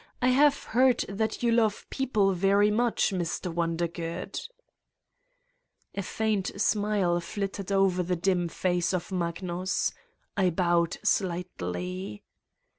I have heard that you love people very much, Mr. Wondergood?" A faint smile flitted over the dim face of Mag nus. I bowed slightly.